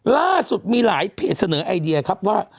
ล่าสุดมีหลายเพจเสนอไอเดียครับว่า